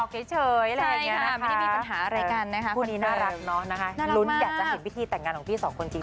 พูดนี้น่ารักเนอะรุ้นอยากจะเห็นวิธีแต่งงานของพี่สองคนจริง